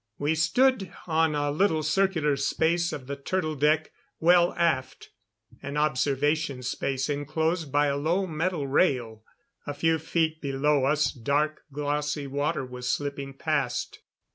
We stood on a little circular space of the turtle deck, well aft an observation space enclosed by a low metal rail. A few feet below us dark glossy water was slipping past.